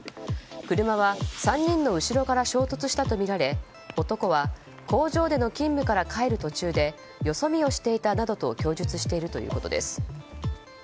車は３人の後ろから衝突したとみられ男は工場での勤務から帰る途中でよそ見をしていたなどと供述しているということです。